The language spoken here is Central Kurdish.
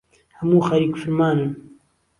هەموو خەریک فرمانن